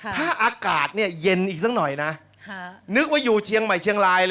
ถ้าอากาศเนี่ยเย็นอีกสักหน่อยนะนึกว่าอยู่เชียงใหม่เชียงรายเลย